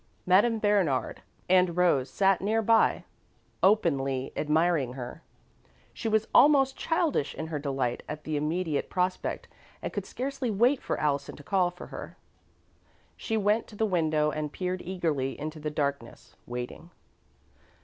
Madame Bernard and Rose sat near by, openly admiring her. She was almost childish in her delight at the immediate prospect and could scarcely wait for Allison to call for her. She went to the window and peered eagerly into the darkness, waiting.